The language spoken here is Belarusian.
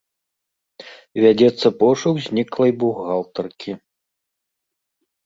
Вядзецца пошук зніклай бухгалтаркі.